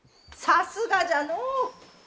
さすがじゃのう。